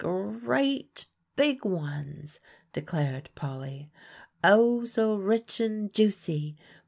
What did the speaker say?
"Gre at big ones," declared Polly, "oh, so rich and juicy!